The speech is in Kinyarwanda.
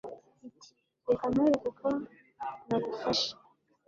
iti «reka nkwereke ko nagufashe»